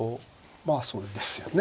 まあそうですよね。